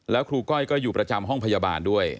แล้วครูก้อยก็อยู่ประจำห้องพยาบาลด้วย